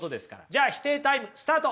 じゃあ否定タイムスタート！